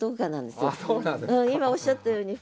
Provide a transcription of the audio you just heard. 今おっしゃったように。